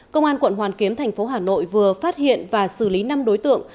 công an quận hoàn kiếm thành phố hà nội vừa phát hiện và xử lý năm đối tượng